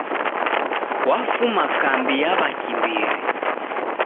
Wafuma kambi ya w'akimbiri.